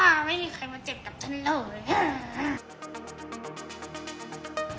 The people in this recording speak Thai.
ไม่มีใครมาเจ็บกับฉันเลย